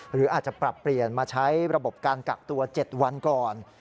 หรืออาจจะปรับเปลี่ยนมาใช้ระบบการกักตัว๗วันก่อน